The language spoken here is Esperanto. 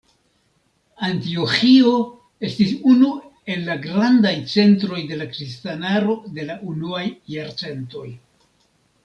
Antioĥio estis unu el la grandaj centroj de la kristanaro de la unuaj jarcentoj.